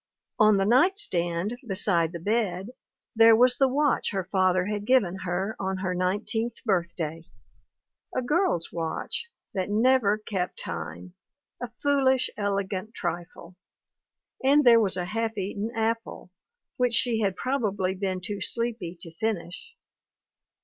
On the night stand beside the bed, there was the watch her father had given her on her nineteenth birthday, a girl's watch that never kept time, a foolish elegant trifle; and there was a half IQ2 THE WOMEN WHO MAKE OUR NOVELS eaten apple which she had probably been too sleepy to finish.